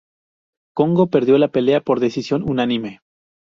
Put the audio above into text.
Kongo perdió la pelea por decisión unánime.